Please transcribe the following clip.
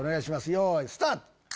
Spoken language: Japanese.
よいスタート！